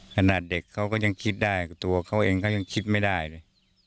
ขนาดเด็กเขาก็ยังคิดได้ตัวเขาเองเขายังคิดไม่ได้เลย